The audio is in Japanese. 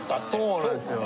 そうなんっすよ。